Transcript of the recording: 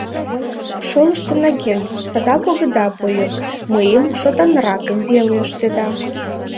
Шолыштын-аген, садак огыда пойо, мыйым шотанракым веле ыштеда.